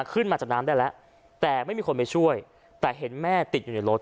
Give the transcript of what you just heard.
ขึ้นมาจากน้ำได้แล้วแต่ไม่มีคนไปช่วยแต่เห็นแม่ติดอยู่ในรถ